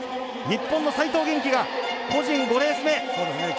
日本の齋藤元希が個人５レース目。